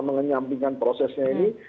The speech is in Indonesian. menyampingkan prosesnya ini